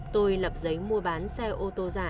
tôi lập giấy mua bán xe ô tô giả